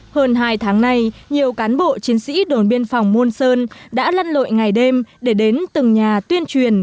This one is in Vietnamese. hơn hai tháng nay nhiều cán bộ chiến sĩ đồn biên phòng môn sơn đã lăn lội ngày đêm để đến từng nhà tuyên truyền